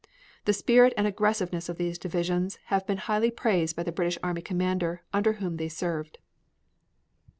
The spirit and aggressiveness of these divisions have been highly praised by the British army commander under whom they served.